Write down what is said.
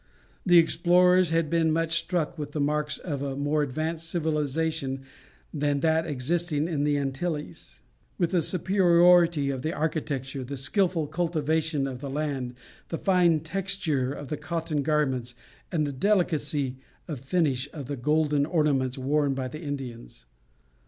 The explorers had been much struck with the marks of a more advanced civilization than that existing in the Antilles, with the superiority of the architecture, the skilful cultivation of the land, the fine texture of the cotton garments, and the delicacy of finish of the golden ornaments worn by the Indians.